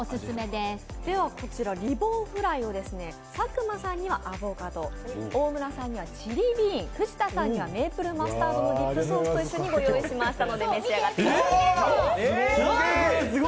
ではリボンフライを佐久間さんにはアボカド、大村さんにはチリビーン、藤田さんにはメープルマスタードのディップと一緒にご用意しました。